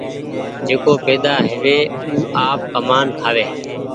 جيڪو پيدآ هووي او آپ ڪمآن کآئي۔